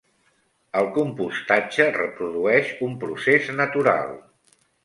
El compostatge reprodueix un procés natural.